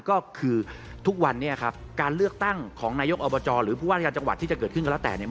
ก็คือทุกวันนี้ครับการเลือกตั้งของนายกอบจหรือผู้ว่าราชการจังหวัดที่จะเกิดขึ้นก็แล้วแต่เนี่ย